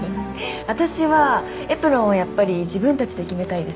私はエプロンはやっぱり自分たちで決めたいです